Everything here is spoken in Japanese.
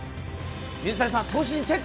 水谷さん、投手陣チェック？